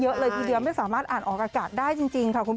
เยอะเลยทีเดียวไม่สามารถอ่านออกอากาศได้จริงค่ะคุณ